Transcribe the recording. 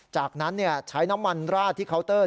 จากนั้นใช้น้ำมันราดที่เคาน์เตอร์